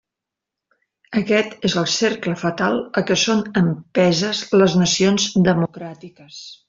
Aquest és el cercle fatal a què són empeses les nacions democràtiques.